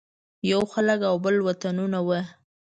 یو خلک او بل وطنونه وو.